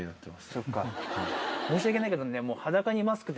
そっか申し訳ないけどね。